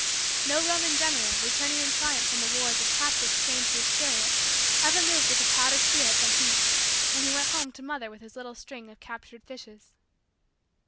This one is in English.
No Roman general, returning in triumph from the wars with captives chained to his chariot, ever moved with a prouder spirit than he, when he went home to mother with his little string of captured fishes.